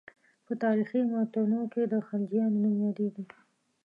په تاریخي متونو کې د خلجیانو نوم یادېږي.